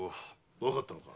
わかったか？